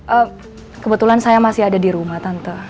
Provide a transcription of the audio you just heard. eh kebetulan saya masih ada di rumah tante